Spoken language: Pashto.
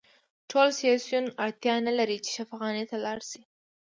ټول سیاسیون اړتیا نلري چې شفاخانو ته لاړ شي